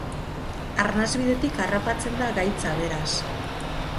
Arnas-bidetik harrapatzen da gaitza, beraz.